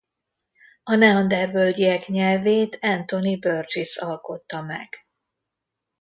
A neandervölgyiek nyelvét Anthony Burgess alkotta meg.